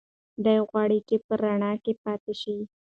دی غواړي چې په رڼا کې پاتې شي.